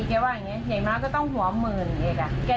ว่าอย่างนี้อย่างน้อยก็ต้องหัวหมื่นอีก